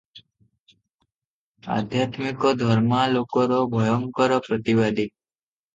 ଆଧ୍ୟାତ୍ମିକ ଧର୍ମାଲୋକର ଭୟଙ୍କର ପ୍ରତିବାଦୀ ।